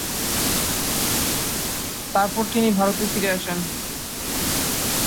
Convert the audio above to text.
তারপর তিনি ভারতে ফিরে আসেন।